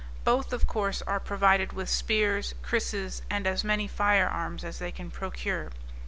Both, of course, are provided with spears, krisses, and as many fire arms as they can procure.